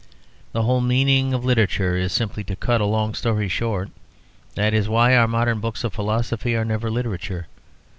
The whole meaning of literature is simply to cut a long story short; that is why our modern books of philosophy are never literature.